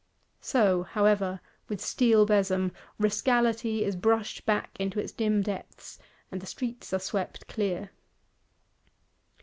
So, however, with steel besom, Rascality is brushed back into its dim depths, and the streets are swept clear.